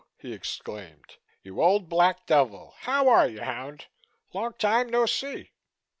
he exclaimed. "You old black devil. How are you, hound? Long time no see."